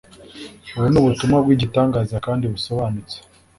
ubu ni ubutumwa bw'igitangaza kandi busobanutse